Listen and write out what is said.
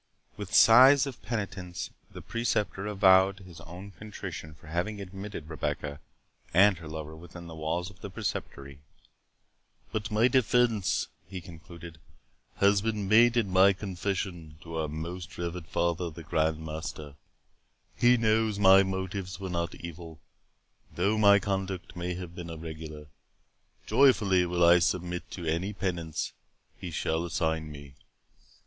With sighs of penitence, the Preceptor avowed his own contrition for having admitted Rebecca and her lover within the walls of the Preceptory—"But my defence," he concluded, "has been made in my confession to our most reverend father the Grand Master; he knows my motives were not evil, though my conduct may have been irregular. Joyfully will I submit to any penance he shall assign me."